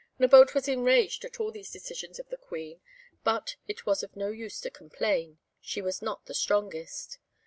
Nabote was enraged at all these decisions of the Queen, but it was of no use to complain, she was not the strongest.